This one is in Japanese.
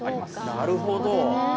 なるほど。